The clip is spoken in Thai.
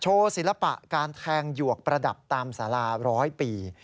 ศิลปะการแทงหยวกประดับตามสาราร้อยปี